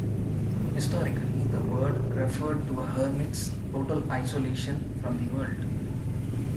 Historically, the word referred to a hermit's total isolation from the world.